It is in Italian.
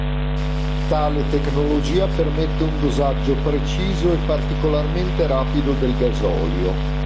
Tale tecnologia permette un dosaggio preciso e particolarmente rapido del gasolio.